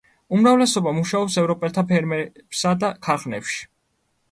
უმრავლესობა მუშაობს ევროპელთა ფერმებსა და ქარხნებში.